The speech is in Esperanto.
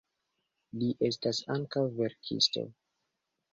Li estas ankaŭ verkisto.